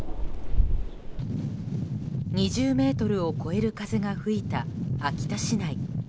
２０メートルを超える風が吹いた秋田市内。